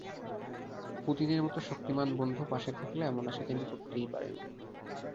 পুতিনের মতো শক্তিমান বন্ধু পাশে থাকলে এমন আশা তিনি করতেই পারেন।